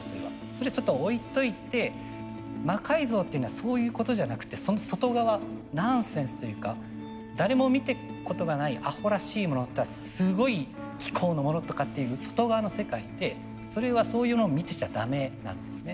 それちょっと置いといて魔改造っていうのはそういうことじゃなくてその外側ナンセンスというか誰も見たことがないあほらしいものすごい機構のものとかっていう外側の世界でそれはそういうものを見てちゃダメなんですね。